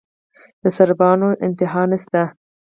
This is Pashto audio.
د سرابونو انتها نشته